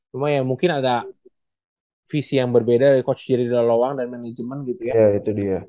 cuma ya mungkin ada visi yang berbeda dari coach jerry delalowang dan manajemen gitu ya